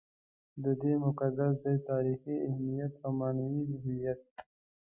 د دې مقدس ځای تاریخي اهمیت او معنوي هویت.